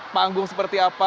panggung seperti apa